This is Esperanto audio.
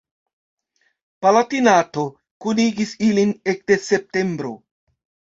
Palatinato kunigis ilin ekde septembro.